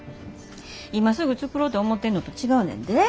今すぐ作ろと思てんのと違うねんで。